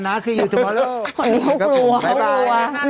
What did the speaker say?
ไปเเบ่ย